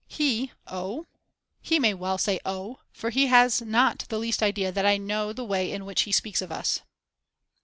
He: O o h? He may well say O o h! For he has not the least idea that I know the way in which he speaks of us.